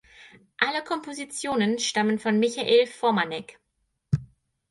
Alle Kompositionen stammen von Michael Formanek.